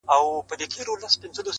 پاچا او ګدا،